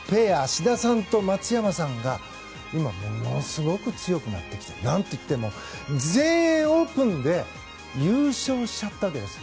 志田さんと松山さんが今、ものすごく強くなってきて何といっても全英オープンで優勝しちゃったわけです。